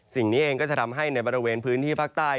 สิ่งนี้เองก็จะทำให้ในบริเวณพื้นที่ภาคใต้